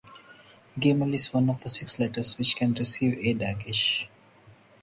Gimel is one of the six letters which can receive a dagesh.